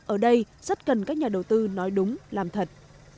ở đây rất cần các nhà đầu tư nói đúng làm thật